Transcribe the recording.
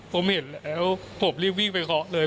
ผมเห็นแล้วผมรีบวิ่งไปเคาะเลย